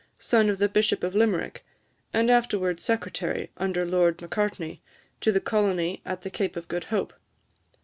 son of the Bishop of Limerick, and afterwards secretary, under Lord Macartney, to the colony at the Cape of Good Hope.